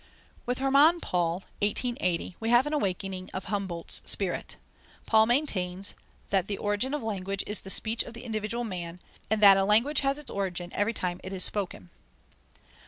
With Hermann Paul (1880) we have an awakening of Humboldt's spirit. Paul maintains that the origin of language is the speech of the individual man, and that a language has its origin every time it is spoken.